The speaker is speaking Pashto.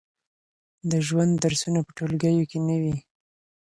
د ژوند درسونه په ټولګیو کې نه وي.